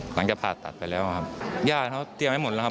หลังจากผ่าตัดไปแล้วครับยากเขาเตรียมให้หมดแล้วครับ